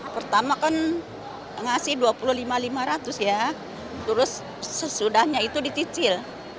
pertama kan ngasih rp dua puluh lima lima ratus ya terus sesudahnya itu dicicil